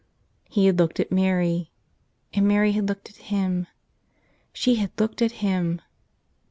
He had looked at Mary, and Mary had looked at him. She had looked at him